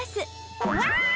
うわ！